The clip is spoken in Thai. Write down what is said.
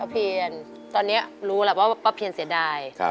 เพียนตอนนี้รู้แหละว่าป้าเพียนเสียดาย